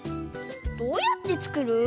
どうやってつくる？